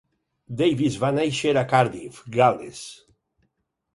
Davis va néixer a Cardiff, Gal·les.